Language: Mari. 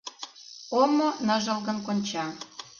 Омо ныжылгын конча.